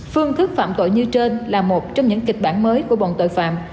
phương thức phạm tội như trên là một trong những kịch bản mới của bọn tội phạm